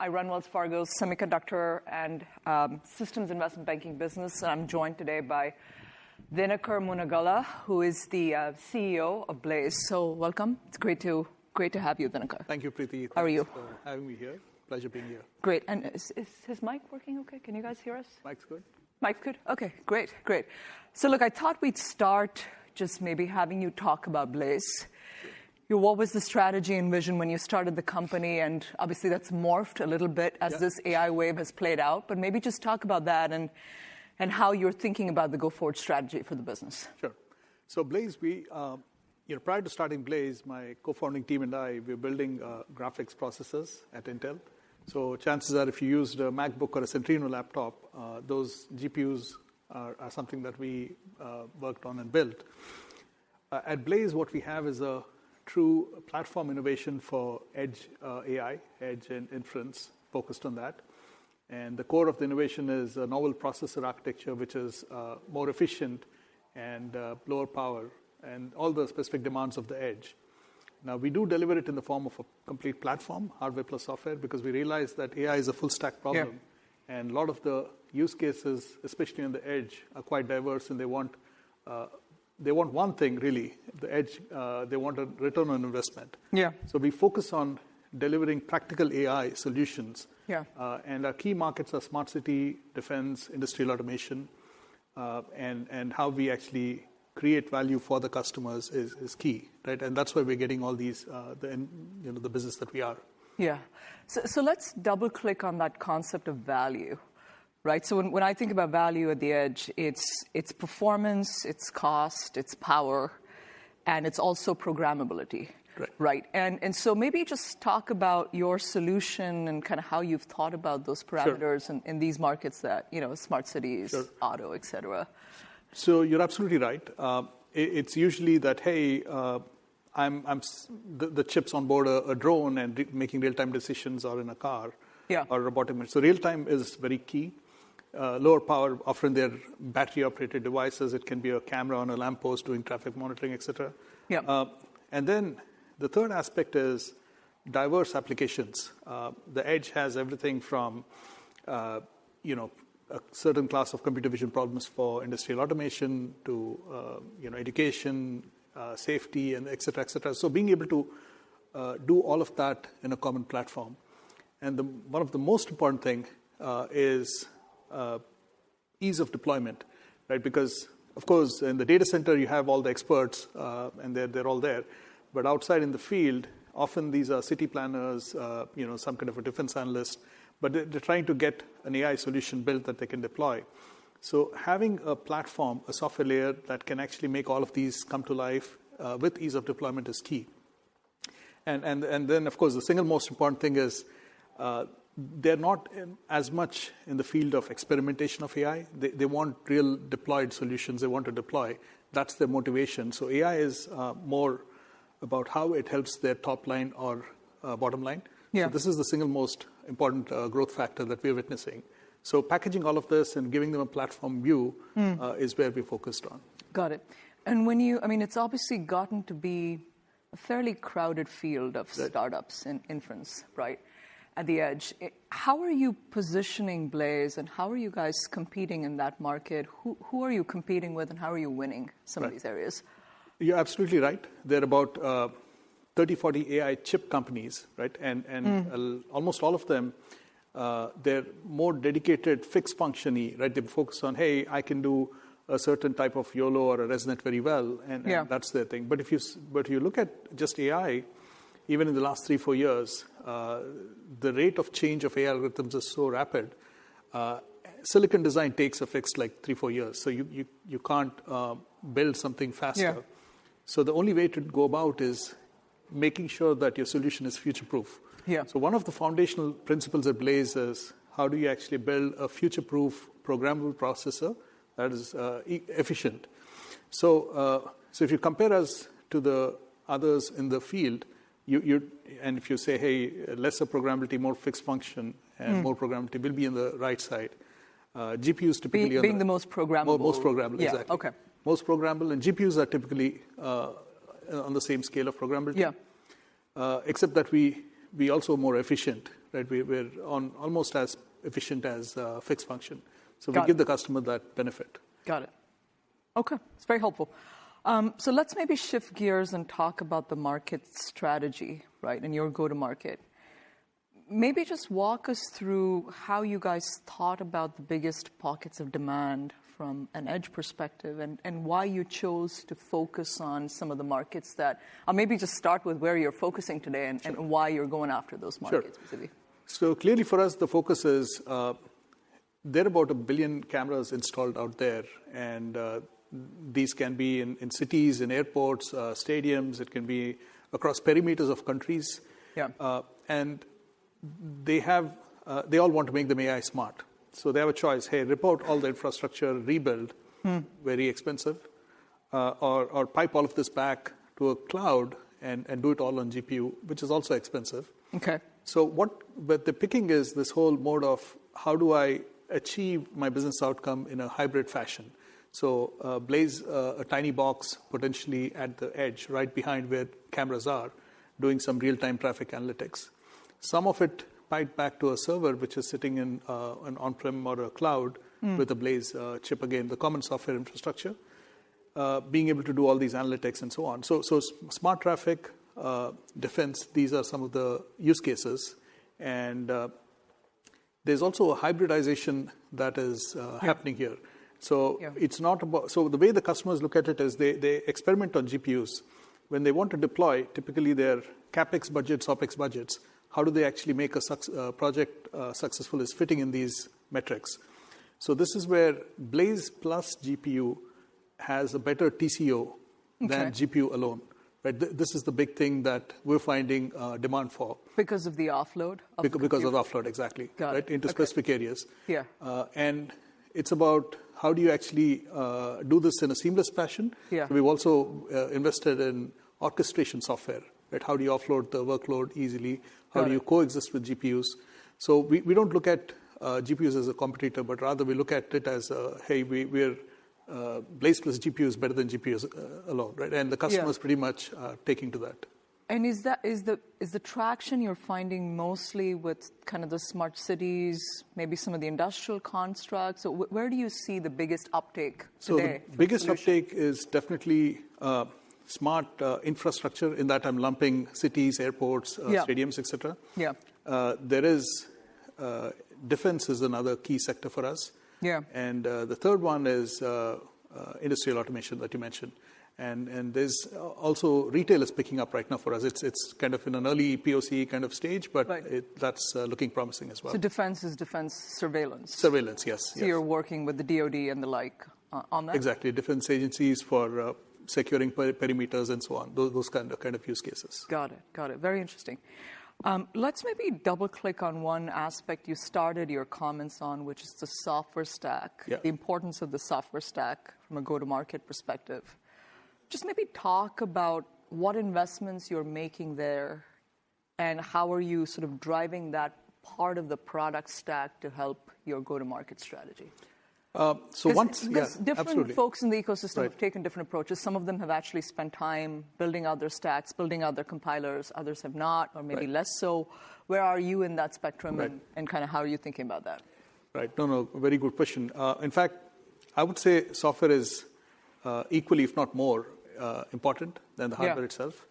I run Wells Fargo's semiconductor and systems investment banking business, and I'm joined today by Dinakar Munagala, who is the CEO of Blaize. It's great to have you, Dinakar. Thank you, Preeti. How are you? Thanks for having me here. Pleasure being here. Great. Is his mic working okay? Can you guys hear us? Mic's good. Mic's good? Okay, great. Great. Look, I thought we'd start just maybe having you talk about Blaize. What was the strategy and vision when you started the company? Obviously, that's morphed a little bit as this AI wave has played out. Maybe just talk about that and how you're thinking about the go-forward strategy for the business. Sure. Blaize, prior to starting Blaize, my co-founding team and I, we were building graphics processors at Intel. Chances are if you used a MacBook or a Centrino laptop, those GPUs are something that we worked on and built. At Blaize, what we have is a true platform innovation for edge AI, edge and inference focused on that. The core of the innovation is a novel processor architecture, which is more efficient and lower power and all the specific demands of the edge. We do deliver it in the form of a complete platform, hardware plus software, because we realize that AI is a full-stack problem. A lot of the use cases, especially on the edge, are quite diverse, and they want one thing, really. The edge, they want a return on investment. We focus on delivering practical AI solutions. Our key markets are smart city, defense, industrial automation, and how we actually create value for the customers is key. That is why we're getting all the business that we are. Yeah. Let's double-click on that concept of value. When I think about value at the edge, it's performance, it's cost, it's power, and it's also programmability. Maybe just talk about your solution and kind of how you've thought about those parameters in these markets, that smart cities, auto, et cetera. You're absolutely right. It's usually that, hey, the chips on board a drone and making real-time decisions are in a car or a robotic machine. Real-time is very key. Lower power, often they're battery-operated devices. It can be a camera on a lamppost doing traffic monitoring, et cetera. The third aspect is diverse applications. The edge has everything from a certain class of computer vision problems for industrial automation to education, safety, et cetera, et cetera. Being able to do all of that in a common platform is important. One of the most important things is ease of deployment. Because, of course, in the data center, you have all the experts, and they're all there. Outside in the field, often these are city planners, some kind of a defense analyst, but they're trying to get an AI solution built that they can deploy. Having a platform, a software layer that can actually make all of these come to life with ease of deployment is key. Of course, the single most important thing is they're not as much in the field of experimentation of AI. They want real deployed solutions. They want to deploy. That's their motivation. AI is more about how it helps their top line or bottom line. This is the single most important growth factor that we're witnessing. Packaging all of this and giving them a platform view is where we focused on. Got it. When you--I mean, it's obviously gotten to be a fairly crowded field of startups and inference at the edge. How are you positioning Blaize, and how are you guys competing in that market? Who are you competing with, and how are you winning some of these areas? You're absolutely right. There are about 30, 40 AI chip companies, and almost all of them, they're more dedicated fixed functiony. They focus on, hey, I can do a certain type of YOLO or a resonant very well, and that's their thing. If you look at just AI, even in the last three, four years, the rate of change of AI algorithms is so rapid. Silicon design takes a fixed like three, four years. You can't build something faster. The only way to go about is making sure that your solution is future-proof. One of the foundational principles at Blaize is how do you actually build a future-proof programmable processor that is efficient? If you compare us to the others in the field, and if you say, hey, lesser programmability, more fixed function, and more programmability will be on the right side. GPUs typically. Being the most programmable. Most programmable, exactly. Most programmable. GPUs are typically on the same scale of programmability, except that we also are more efficient. We are almost as efficient as fixed function. We give the customer that benefit. Got it. Okay. That's very helpful. Let's maybe shift gears and talk about the market strategy and your go-to-market. Maybe just walk us through how you guys thought about the biggest pockets of demand from an edge perspective and why you chose to focus on some of the markets that i maybe just start with where you're focusing today and why you're going after those markets specifically. Clearly for us, the focus is there are about a billion cameras installed out there. These can be in cities, in airports, stadiums. It can be across perimeters of countries. They all want to make them AI smart. They have a choice: rip out all the infrastructure, rebuild, very expensive, or pipe all of this back to a cloud and do it all on GPU, which is also expensive. What they're picking is this whole mode of how do I achieve my business outcome in a hybrid fashion. Blaize, a tiny box potentially at the edge, right behind where cameras are, doing some real-time traffic analytics. Some of it piped back to a server, which is sitting in an on-prem or a cloud with a Blaize chip, again, the common software infrastructure, being able to do all these analytics and so on. Smart traffic, defense, these are some of the use cases. There's also a hybridization that is happening here. The way the customers look at it is they experiment on GPUs. When they want to deploy, typically their CAPEX budgets, OPEX budgets. How do they actually make a project successful is fitting in these metrics. This is where Blaize plus GPU has a better TCO than GPU alone. This is the big thing that we're finding demand for. Because of the offload of the. Because of offload, exactly, into specific areas. It is about how do you actually do this in a seamless fashion. We have also invested in orchestration software. How do you offload the workload easily? How do you coexist with GPUs? We do not look at GPUs as a competitor, but rather we look at it as, hey, Blaize plus GPU is better than GPUs alone. The customer is pretty much taking to that. Is the traction you're finding mostly with kind of the smart cities, maybe some of the industrial constructs? Where do you see the biggest uptake today? The biggest uptake is definitely smart infrastructure in that I'm lumping cities, airports, stadiums, et cetera. Defense is another key sector for us. The third one is industrial automation that you mentioned. Also, retail is picking up right now for us. It's kind of in an early POC kind of stage, but that's looking promising as well. Defense is defense surveillance. Surveillance, yes. You're working with the DOD and the like on that? Exactly. Defense agencies for securing perimeters and so on, those kind of use cases. Got it. Got it. Very interesting. Let's maybe double-click on one aspect you started your comments on, which is the software stack, the importance of the software stack from a go-to-market perspective. Just maybe talk about what investments you're making there and how are you sort of driving that part of the product stack to help your go-to-market strategy. So once. Different folks in the ecosystem have taken different approaches. Some of them have actually spent time building out their stacks, building out their compilers. Others have not or maybe less so. Where are you in that spectrum and kind of how are you thinking about that? Right. No, no, very good question. In fact, I would say software is equally, if not more, important than the hardware itself.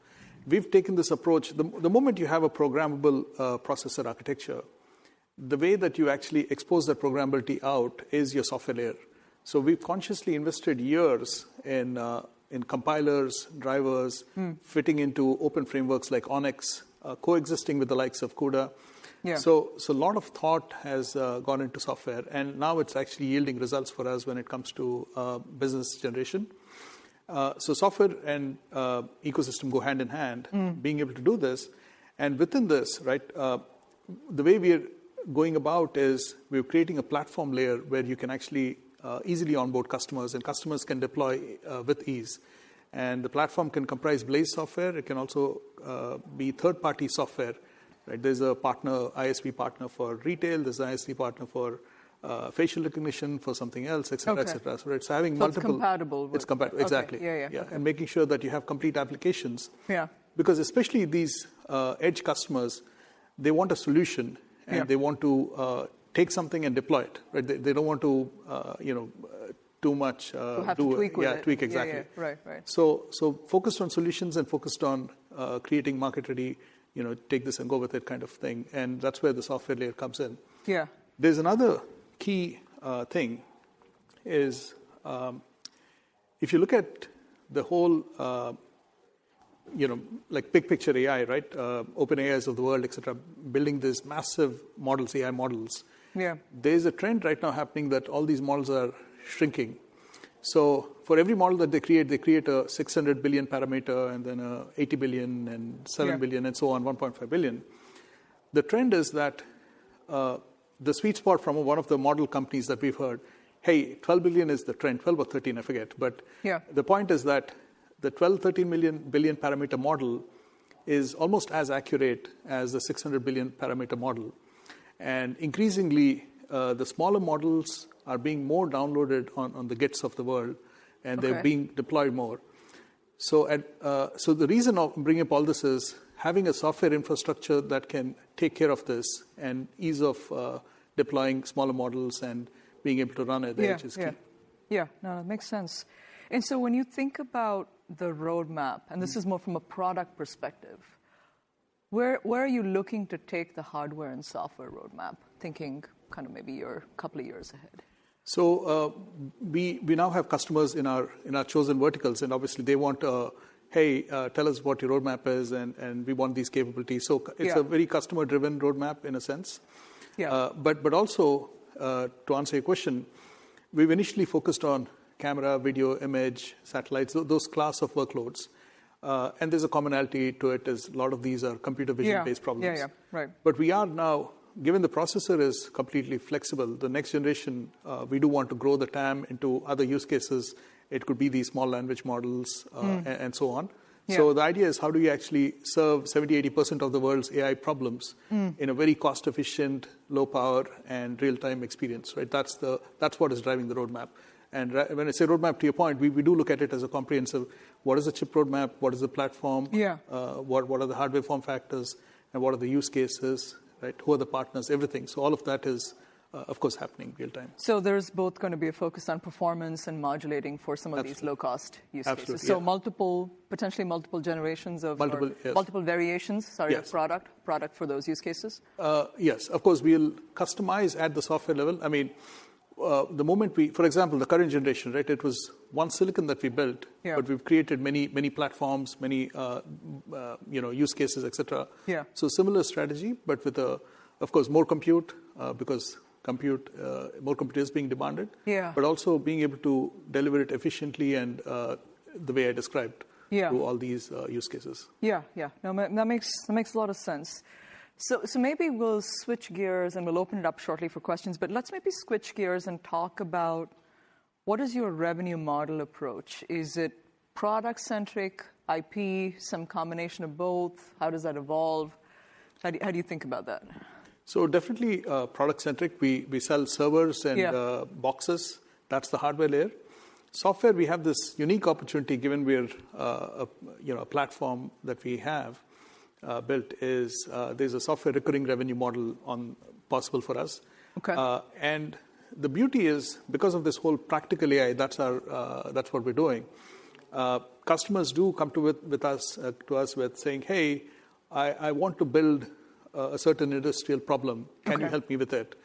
We've taken this approach. The moment you have a programmable processor architecture, the way that you actually expose that programmability out is your software layer. We've consciously invested years in compilers, drivers, fitting into open frameworks like ONNX, coexisting with the likes of CUDA. A lot of thought has gone into software. Now it's actually yielding results for us when it comes to business generation. Software and ecosystem go hand in hand, being able to do this. Within this, the way we're going about is we're creating a platform layer where you can actually easily onboard customers, and customers can deploy with ease. The platform can comprise Blaize software. It can also be third-party software. There's a ISV partner for retail. There's an ISV partner for facial recognition for something else, et cetera, et cetera. Having multiple. It's compatible with. It's compatible, exactly. Making sure that you have complete applications. Because especially these edge customers, they want a solution, and they want to take something and deploy it. They don't want to too much. Have to tweak with it. Yeah, tweak, exactly. Focused on solutions and focused on creating market ready, take this and go with it kind of thing. That is where the software layer comes in. There is another key thing. If you look at the whole big picture AI, OpenAI is of the world, et cetera, building these massive models, AI models, there is a trend right now happening that all these models are shrinking. For every model that they create, they create a $600 billion parameter and then $80 billion and $7 billion and so on, $1.5 billion. The trend is that the sweet spot from one of the model companies that we have heard, hey, $12 billion is the trend, $12 or $13, I forget. The point is that the $12-$13 billion parameter model is almost as accurate as the $600 billion parameter model. Increasingly, the smaller models are being more downloaded on the gates of the world, and they're being deployed more. The reason of bringing up all this is having a software infrastructure that can take care of this and ease of deploying smaller models and being able to run at the edge is key. Yeah. Yeah. No, that makes sense. When you think about the roadmap, and this is more from a product perspective, where are you looking to take the hardware and software roadmap, thinking kind of maybe your couple of years ahead? We now have customers in our chosen verticals, and obviously they want, hey, tell us what your roadmap is, and we want these capabilities. It is a very customer-driven roadmap in a sense. Also, to answer your question, we've initially focused on camera, video, image, satellites, those class of workloads. There is a commonality to it; a lot of these are computer vision-based problems. We are now, given the processor is completely flexible, the next generation, we do want to grow the TAM into other use cases. It could be these small language models and so on. The idea is how do you actually serve 70-80% of the world's AI problems in a very cost-efficient, low-power and real-time experience. That is what is driving the roadmap. When I say roadmap, to your point, we do look at it as a comprehensive. What is the chip roadmap? What is the platform? What are the hardware form factors? What are the use cases? Who are the partners? Everything. All of that is, of course, happening real-time. There is both going to be a focus on performance and modulating for some of these low-cost use cases. Potentially multiple generations of multiple variations, sorry, product for those use cases. Yes. Of course, we'll customize at the software level. I mean, the moment we, for example, the current generation, it was one silicon that we built, but we've created many platforms, many use cases, et cetera. Similar strategy, but with, of course, more compute because more compute is being demanded, but also being able to deliver it efficiently and the way I described to all these use cases. Yeah. Yeah. No, that makes a lot of sense. Maybe we'll switch gears and we'll open it up shortly for questions. Let's maybe switch gears and talk about what is your revenue model approach. Is it product-centric, IP, some combination of both. How does that evolve. How do you think about that. Definitely product-centric. We sell servers and boxes. That's the hardware layer. Software, we have this unique opportunity given we're a platform that we have built is there's a software recurring revenue model possible for us. The beauty is because of this whole practical AI, that's what we're doing. Customers do come to us with saying, hey, I want to build a certain industrial problem. Can you help me with it?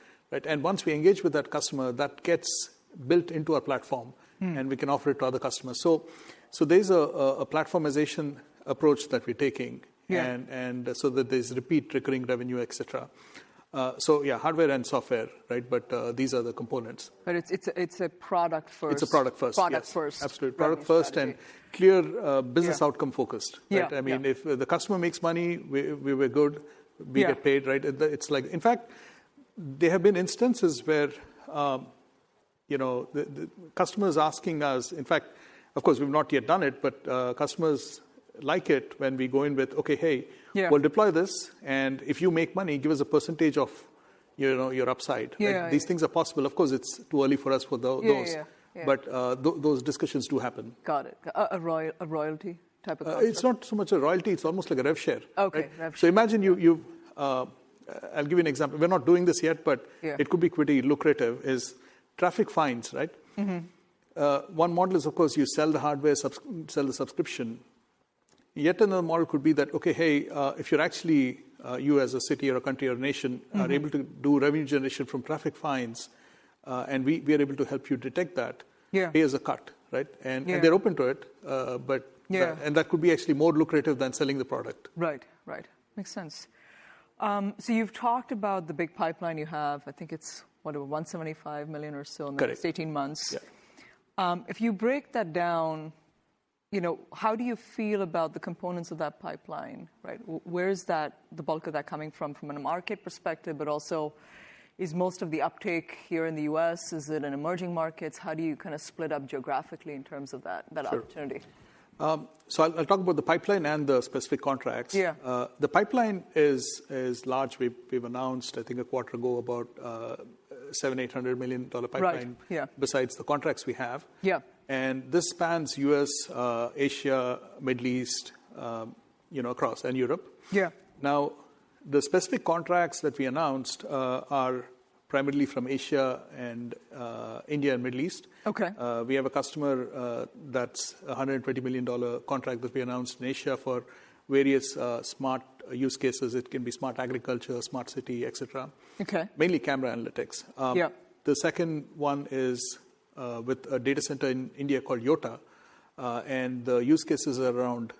Once we engage with that customer, that gets built into our platform, and we can offer it to other customers. There's a platformization approach that we're taking so that there's repeat recurring revenue, et cetera. Hardware and software, but these are the components. It is a product first. It's a product first. Product first. Absolutely. Product first and clear business outcome focused. I mean, if the customer makes money, we're good. We get paid. In fact, there have been instances where customers asking us, in fact, of course, we've not yet done it, but customers like it when we go in with, okay, hey, we'll deploy this. If you make money, give us a percentage of your upside. These things are possible. Of course, it's too early for us for those. Those discussions do happen. Got it. A royalty type of customer? It's not so much a royalty. It's almost like a rev share. Imagine you've, I'll give you an example. We're not doing this yet, but it could be pretty lucrative, is traffic fines. One model is, of course, you sell the hardware, sell the subscription. Yet another model could be that, okay, hey, if you as a city or a country or a nation are able to do revenue generation from traffic fines and we are able to help you detect that, pay us a cut. They're open to it. That could be actually more lucrative than selling the product. Right. Right. Makes sense. You have talked about the big pipeline you have. I think it is, what, $175 million or so in the first 18 months. If you break that down, how do you feel about the components of that pipeline? Where is the bulk of that coming from, from a market perspective, but also is most of the uptake here in the U.S.? Is it in emerging markets? How do you kind of split up geographically in terms of that opportunity? I'll talk about the pipeline and the specific contracts. The pipeline is large. We've announced, I think, a quarter ago about a $700 million-$800 million pipeline besides the contracts we have. This spans U.S., Asia, Middle East, and Europe. Now, the specific contracts that we announced are primarily from Asia and India and Middle East. We have a customer that's a $120 million contract that we announced in Asia for various smart use cases. It can be smart agriculture, smart city, et cetera, mainly camera analytics. The second one is with a data center in India called Yotta. The use cases are around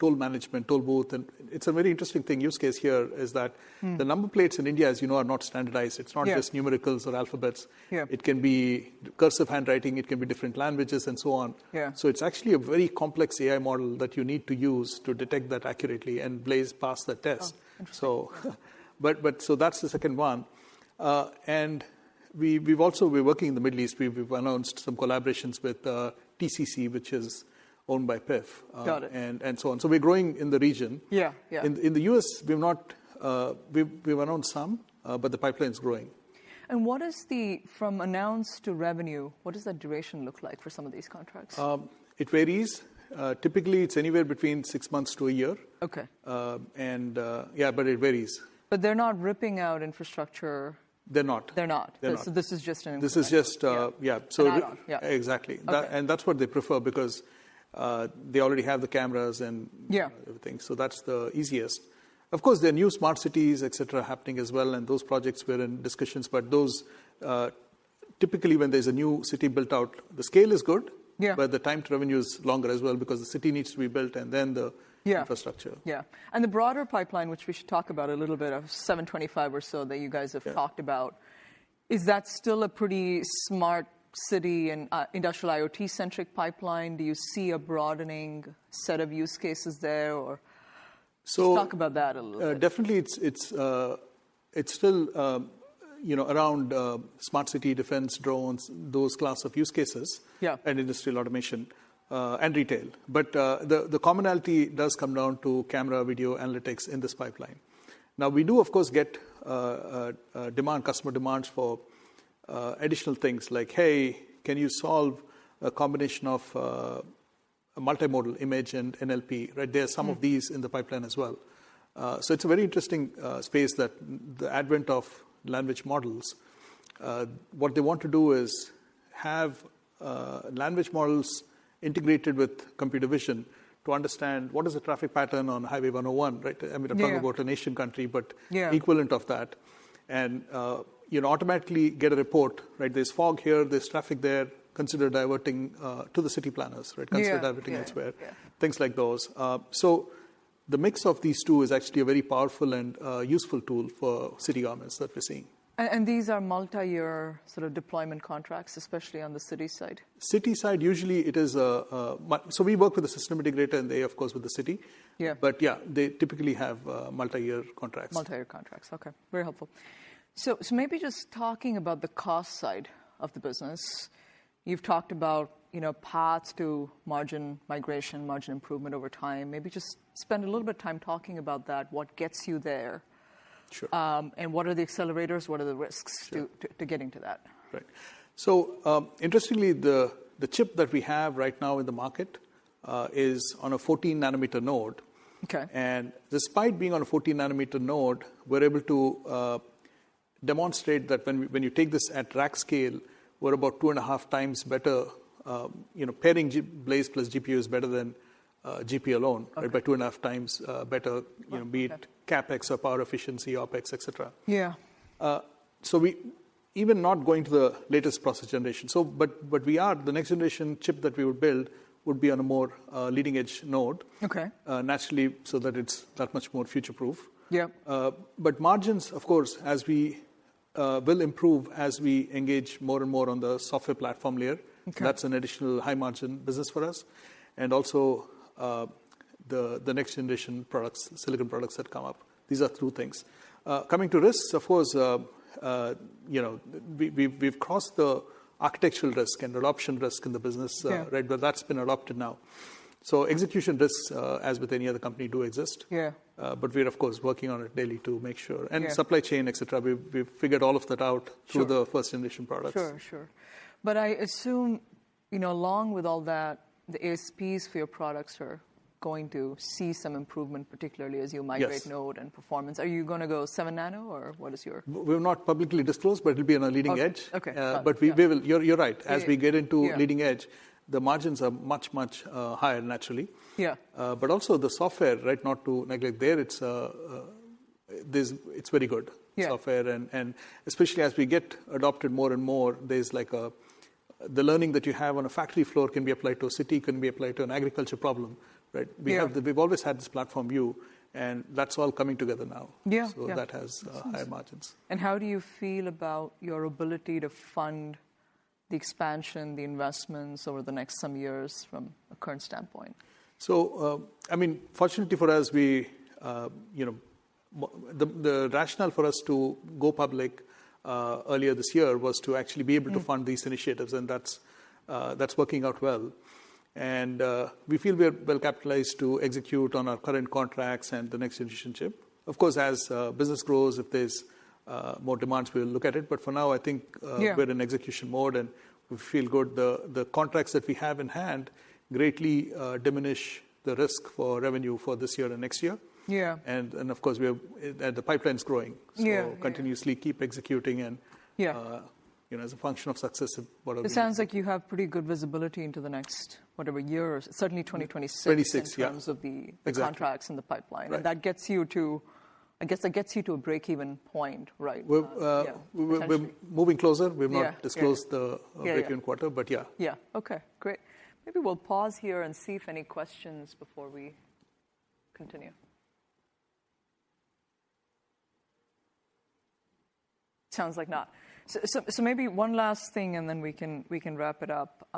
toll management, toll booth. A very interesting use case here is that the number plates in India, as you know, are not standardized. It's not just numericals or alphabets. It can be cursive handwriting. It can be different languages and so on. It is actually a very complex AI model that you need to use to detect that accurately and Blaize passed the test. That is the second one. We have also been working in the Middle East. We have announced some collaborations with TCC, which is owned by PIF and so on. We are growing in the region. In the U.S., we have announced some, but the pipeline is growing. What is the from announced to revenue, what does that duration look like for some of these contracts? It varies. Typically, it's anywhere between six months to a year. Yeah, but it varies. They're not ripping out infrastructure? They're not. They're not. This is just an example. This is just, yeah. Exactly. That is what they prefer because they already have the cameras and everything. That is the easiest. Of course, there are new smart cities, et cetera, happening as well. Those projects are in discussions. Typically, when there is a new city built out, the scale is good, but the time to revenue is longer as well because the city needs to be built and then the infrastructure. Yeah. The broader pipeline, which we should talk about a little bit, of $725 million or so that you guys have talked about, is that still a pretty smart city and industrial IoT-centric pipeline? Do you see a broadening set of use cases there or talk about that a little bit? Definitely, it's still around smart city, defense, drones, those class of use cases and industrial automation and retail. The commonality does come down to camera, video, analytics in this pipeline. Now, we do, of course, get customer demands for additional things like, hey, can you solve a combination of multimodal image and NLP? There are some of these in the pipeline as well. It's a very interesting space that the advent of language models, what they want to do is have language models integrated with computer vision to understand what is the traffic pattern on Highway 101. I'm talking about an Asian country, but equivalent of that. Automatically get a report. There's fog here. There's traffic there. Consider diverting to the city planners. Consider diverting elsewhere. Things like those. The mix of these two is actually a very powerful and useful tool for city governments that we're seeing. These are multi-year sort of deployment contracts, especially on the city side? City side, usually it is a so we work with the system integrator and they, of course, with the city. Yeah, they typically have multi-year contracts. Multi-year contracts. Okay. Very helpful. Maybe just talking about the cost side of the business. You've talked about paths to margin migration, margin improvement over time. Maybe just spend a little bit of time talking about that. What gets you there? What are the accelerators? What are the risks to getting to that? Interestingly, the chip that we have right now in the market is on a 14 nanometer node. Despite being on a 14 nanometer node, we're able to demonstrate that when you take this at rack scale, we're about two and a half times better. Pairing Blaize plus GPU is better than GPU alone by two and a half times better, be it CapEx or power efficiency, OpEx, et cetera. Even not going to the latest process generation. The next generation chip that we would build would be on a more leading edge node, naturally, so that it's that much more future proof. Margins, of course, as we will improve as we engage more and more on the software platform layer, that's an additional high margin business for us. Also the next generation silicon products that come up, these are two things. Coming to risks, of course, we've crossed the architectural risk and adoption risk in the business, but that's been adopted now. Execution risks, as with any other company, do exist. We're, of course, working on it daily to make sure. Supply chain, et cetera, we've figured all of that out through the first generation products. Sure. Sure. I assume along with all that, the ASPs for your products are going to see some improvement, particularly as you migrate node and performance. Are you going to go 7 nano or what is your? We're not publicly disclosed, but it'll be on a leading edge. You're right. As we get into leading edge, the margins are much, much higher, naturally. Also, the software, not to neglect there, it's very good software. Especially as we get adopted more and more, there's like the learning that you have on a factory floor can be applied to a city, can be applied to an agriculture problem. We've always had this platform view. That's all coming together now. That has higher margins. How do you feel about your ability to fund the expansion, the investments over the next some years from a current standpoint? I mean, fortunately for us, the rationale for us to go public earlier this year was to actually be able to fund these initiatives. That is working out well. We feel we are well capitalized to execute on our current contracts and the next generation chip. Of course, as business grows, if there are more demands, we will look at it. For now, I think we are in execution mode. We feel good. The contracts that we have in hand greatly diminish the risk for revenue for this year and next year. Of course, the pipeline is growing. We continuously keep executing and as a function of success. It sounds like you have pretty good visibility into the next whatever year, certainly 2026, in terms of the contracts and the pipeline. That gets you to, I guess that gets you to a break-even point, right? We're moving closer. We've not disclosed the break-even quarter, but yeah. Yeah. Okay. Great. Maybe we'll pause here and see if any questions before we continue. Sounds like not. Maybe one last thing and then we can wrap it up.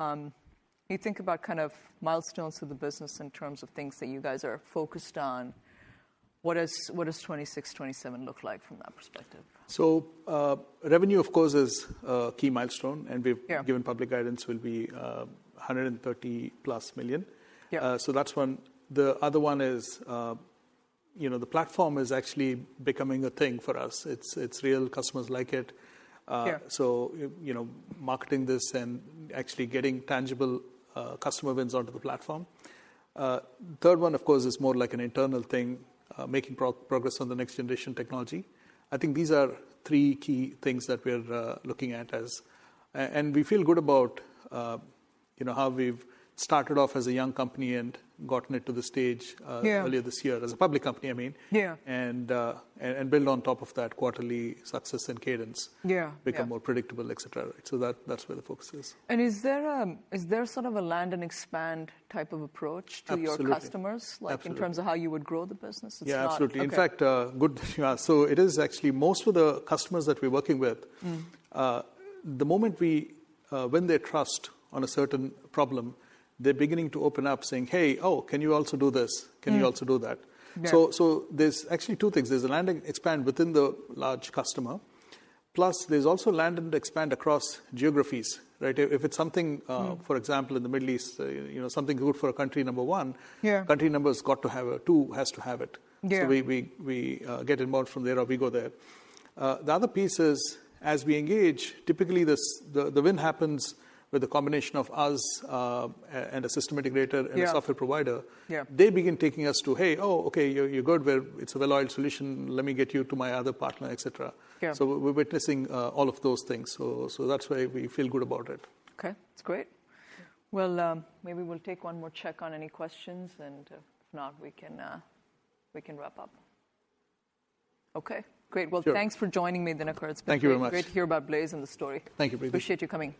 You think about kind of milestones of the business in terms of things that you guys are focused on. What does 2026, 2027 look like from that perspective? Revenue, of course, is a key milestone. And we've given public guidance will be $130 million plus. That's one. The other one is the platform is actually becoming a thing for us. It's real. Customers like it. So marketing this and actually getting tangible customer wins onto the platform. The third one, of course, is more like an internal thing, making progress on the next generation technology. I think these are three key things that we're looking at as. And we feel good about how we've started off as a young company and gotten it to the stage earlier this year as a public company, I mean, and build on top of that quarterly success and cadence, become more predictable, et cetera. That's where the focus is. Is there sort of a land and expand type of approach to your customers in terms of how you would grow the business? Yeah, absolutely. In fact, good that you asked. It is actually most of the customers that we're working with, the moment we win their trust on a certain problem, they're beginning to open up saying, "Hey, oh, can you also do this? Can you also do that?" There are actually two things. There is a land and expand within the large customer. Plus there is also land and expand across geographies. If it is something, for example, in the Middle East, something good for a country number one, country number has got to have it. We get involved from there or we go there. The other piece is as we engage, typically the win happens with a combination of us and a system integrator and a software provider. They begin taking us to, "Hey, oh, okay, you're good. It's a well-oiled solution. Let me get you to my other partner, et cetera. We are witnessing all of those things. That is why we feel good about it. Okay. That's great. Maybe we'll take one more check on any questions. If not, we can wrap up. Okay. Great. Thanks for joining me, Dinakar and Sprank. Thank you very much. It's great to hear about Blaize and the story. Thank you very much. Appreciate your coming.